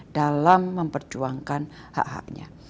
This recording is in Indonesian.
dalam memperjuangkan hak haknya